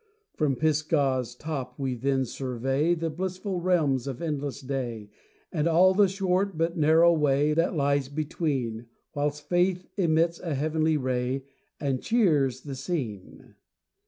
From Pisgah's top we then survey The blissful realms of endless day, And all the short but narrow way That lies between, Whilst Faith emits a heavenly ray, And cheers the scene.